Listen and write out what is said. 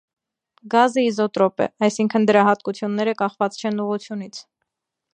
Գազը իզոտրոպ է, այսինքն դրա հատկությունները կախված չեն ուղղությունից։